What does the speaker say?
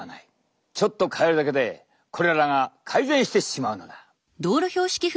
ちょっと変えるだけでこれらが改善してしまうのだ。